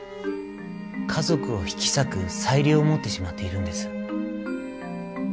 家族を引き裂く裁量を持ってしまっているんです。